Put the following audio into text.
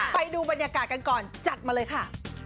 ไปดูบรรยากาศกันก่อนจัดมาเลยค่ะ